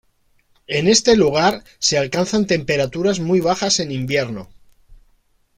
En este lugar se alcanzan temperaturas muy bajas en invierno.